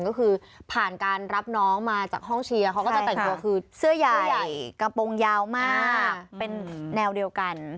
ก็คือผ่านการรับน้องมาจากห้องเชียร์เขาก็จะแต่งตัวคือเสื้อยาวใหญ่กระโปรงยาวมากเป็นแนวเดียวกัน